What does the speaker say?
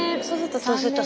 そうすると３年。